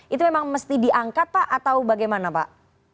itu memang mesti diangkat pak atau bagaimana pak